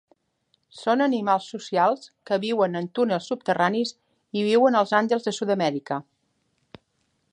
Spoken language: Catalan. Són animals socials que viuen en túnels subterranis i viuen als Andes de Sud-amèrica.